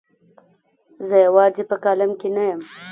زه یوازې په کالم کې نه یم.